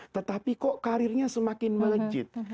tetapi kok karirnya semakin melejit